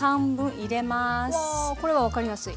これは分かりやすい。